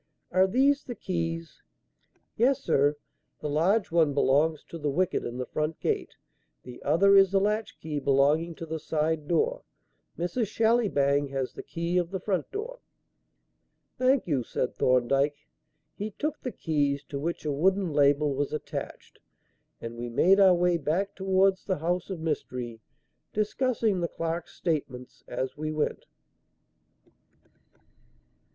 Are these the keys?" "Yes, sir. The large one belongs to the wicket in the front gate. The other is the latch key belonging to the side door. Mrs. Shallybang has the key of the front door." "Thank you," said Thorndyke. He took the keys, to which a wooden label was attached, and we made our way back towards the house of mystery, discussing the clerk's statements as we went.